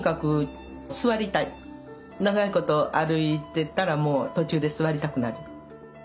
長いこと歩いてたらもう途中で座りたくなる。